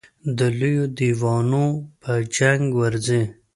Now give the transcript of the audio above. د لویو دېوانو په جنګ ورځي.